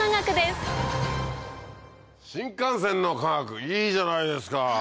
新幹線の科学いいじゃないですか！